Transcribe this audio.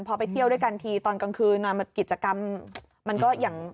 พอไปเที่ยวด้วยกันทีตอนกลางคืนนอนกิจกรรมมันก็อย่าง